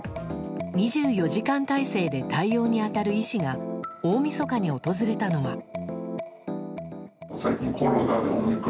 ２４時間態勢で対応に当たる医師が大みそかに訪れたのは。